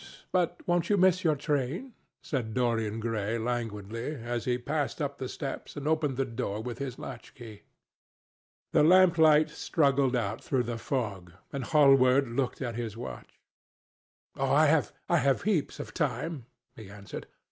But won't you miss your train?" said Dorian Gray languidly as he passed up the steps and opened the door with his latch key. The lamplight struggled out through the fog, and Hallward looked at his watch. "I have heaps of time," he answered.